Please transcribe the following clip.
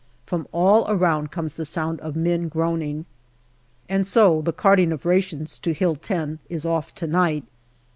From all around comes the sound of men groaning. And so the carting of rations to Hill 10 is off to night.